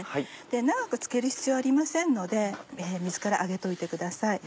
長くつける必要はありませんので水から上げといてください。